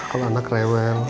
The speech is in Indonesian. kalau anak rewel